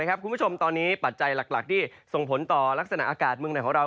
คุณผู้ชมตอนนี้ปัจจัยหลักที่ส่งผลต่อลักษณะอากาศเมืองไหนของเรา